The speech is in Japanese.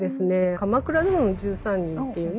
「鎌倉殿の１３人」っていうね